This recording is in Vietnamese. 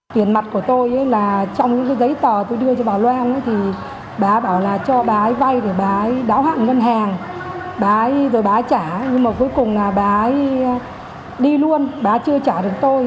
tiền mặt của tôi là trong những cái giấy tờ tôi đưa cho bà loan thì bà bảo là cho bà ấy vay để bà ấy đáo hạng ngân hàng bà ấy rồi bà ấy trả nhưng mà cuối cùng là bà ấy đi luôn bà ấy chưa trả được tôi